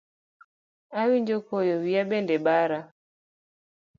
Awinjo koyo, wiya bende bara.